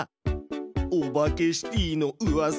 「オバケシティ」のうわさ。